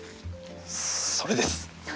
それです！